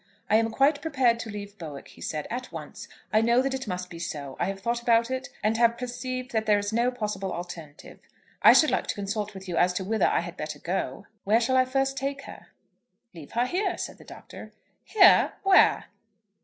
"I am quite prepared to leave Bowick," he said, "at once. I know that it must be so. I have thought about it, and have perceived that there is no possible alternative. I should like to consult with you as to whither I had better go. Where shall I first take her?" "Leave her here," said the Doctor. "Here! Where?"